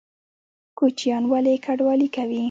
کوچیان ولې کډوالي کوي؟